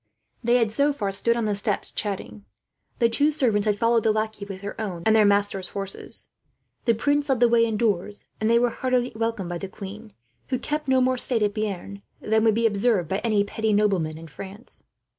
They had so far stood on the steps, chatting. The two servants had followed the lackey, with their own and their masters' horses. The prince led the way indoors, and they were heartily welcomed by the queen, who kept no more state at Bearn than would be observed by any petty nobleman in France.